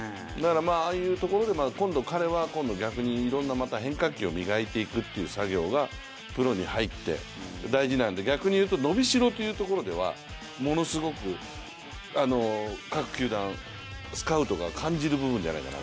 ああいうところで彼はまたいろんな変化球を磨いていくという作業がプロに入って大事なので逆に言うと伸びしろというところではものすごく各球団スカウトが感じる部分じゃないかな。